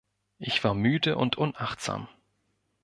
Ich war müde und unachtsam.